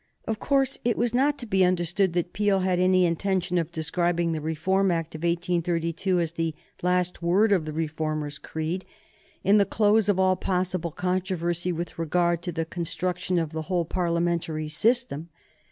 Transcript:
Of course it was not to be understood that Peel had any intention of describing the Reform Act of 1832 as the last word of the Reformers' creed, and the close of all possible controversy with regard to the construction of the whole Parliamentary system.